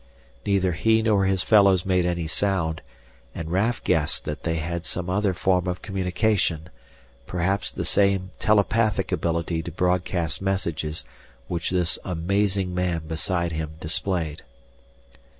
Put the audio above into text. Neither he nor his fellows made any sound, and Raf guessed that they had some other form of communication, perhaps the same telepathic ability to broadcast messages which this amazing man beside him displayed.